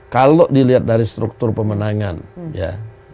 kalau dilihat dari struktur pemenangan ya